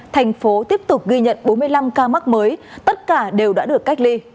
thành phố tiếp tục ghi nhận bốn mươi năm ca mắc mới tất cả đều đã được cách ly